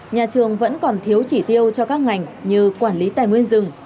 nhà trường vẫn còn thiếu chỉ tiêu cho các ngành như quản lý tài nguyên rừng